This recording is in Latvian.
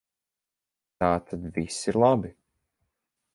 Tātad viss ir labi.